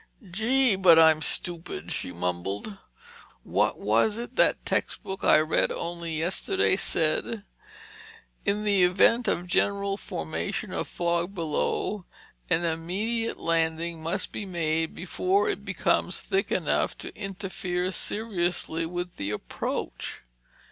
"Gee, but I'm stupid!" she mumbled. "What was it that text book I read only yesterday said? 'In the event of general formation of fog below, an immediate landing must be made before it becomes thick enough to interfere seriously with the approach.